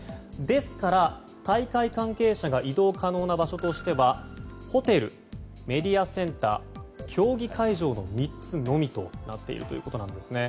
ですから、大会関係者が移動可能な場所としてはホテル、メディアセンター競技会場の３つのみとなっているということです。